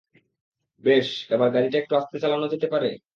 বেশ, এবার গাড়িটা একটু আস্তে চালানো যেতে পারে?